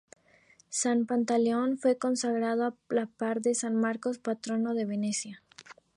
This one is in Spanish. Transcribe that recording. San Pantaleón fue consagrado -a la par de San Marcos- patrono de Venecia.